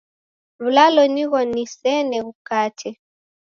W'ulalo nigho nisene ghukate.